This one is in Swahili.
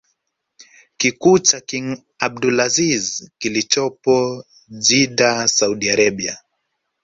kikuu cha king Abdulazizi kilichopo Jidda Saudi Arabia